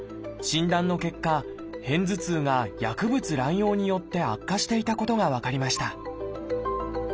診断の結果片頭痛が薬物乱用によって悪化していたことが分かりました。